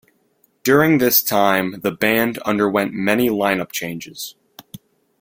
During this time the band underwent many line-up changes.